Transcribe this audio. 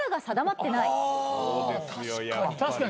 ・あ確かに。